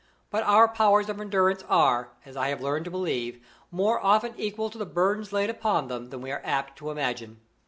But our powers of endurance are, as I have learned to believe, more often equal to the burdens laid upon us than we are apt to imagine.